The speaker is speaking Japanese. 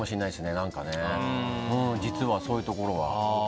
何か、実はそういうところは。